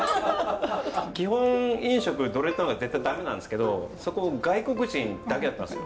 基本飲食ドレッドなんか絶対駄目なんですけどそこ外国人だけだったんですよ